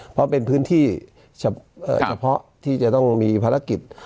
เพราะเป็นพื้นที่เฉพาะที่จะต้องมีภารกิจ